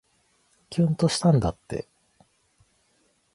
きゅんとしたんだって